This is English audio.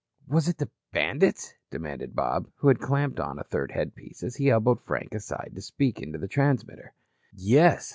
"Was it the bandits?" demanded Bob, who had clamped on a third headpiece, as he elbowed Frank aside to speak into the transmitter. "Yes.